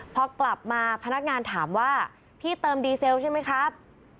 พอกลับมาพนักงานถามว่าพี่เติมดีเซลใช่ไหมครับ